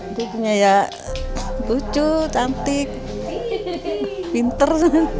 dia punya ya lucu cantik pinter